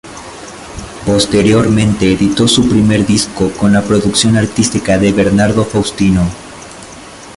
Posteriormente editó su primer disco con la producción artística de Bernardo Faustino.